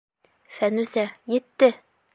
Фәнүзә, етте!..